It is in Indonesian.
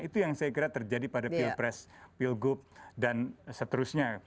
itu yang saya kira terjadi pada pilpres pilgub dan seterusnya